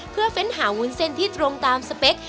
เพื่อเฟ้นหาวุ้นเส้นที่ตรงตามสเปค